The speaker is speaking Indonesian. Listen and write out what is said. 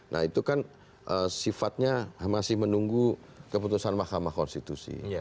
nah itu kan sifatnya masih menunggu keputusan mahkamah konstitusi